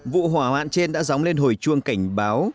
vụ hỏa hoạn trên đã dóng lên hồi chuông cảnh báo